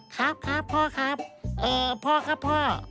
ครับครับพ่อครับพ่อครับพ่อ